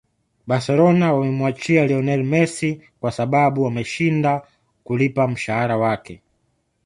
barcelona wamemuachia lionel messi kwa sababu wameshinda kulipa mshahala wake